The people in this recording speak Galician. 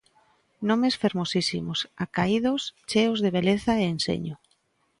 Nomes fermosísimos, acaídos, cheos de beleza e enxeño.